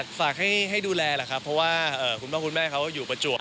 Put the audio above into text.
ฝากให้ดูแลแหละครับเพราะว่าคุณพ่อคุณแม่เขาอยู่ประจวบ